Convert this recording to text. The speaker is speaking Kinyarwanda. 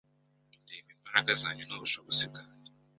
Reba imbaraga zanjye n'ubushobozi bwanjye